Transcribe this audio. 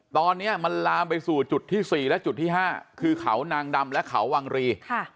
ตอนนี้มันลามไปสู่จุดที่๔และจุดที่๕คือเขานางดำและเขาวังรี